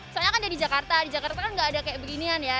soalnya kan dari jakarta di jakarta kan nggak ada kayak beginian ya